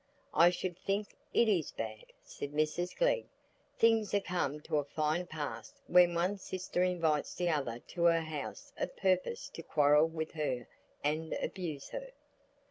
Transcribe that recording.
"I should think it is bad," said Mrs Glegg. "Things are come to a fine pass when one sister invites the other to her house o' purpose to quarrel with her and abuse her."